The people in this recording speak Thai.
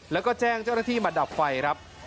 แล้วก็แจ้งเจ้าหน้าที่มาดับไฟครับ